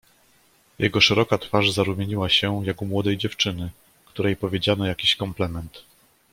"Jego szeroka twarz zarumieniła się, jak u młodej dziewczyny, której powiedziano jakiś komplement."